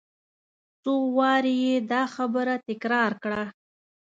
څو وارې یې دا خبره تکرار کړه.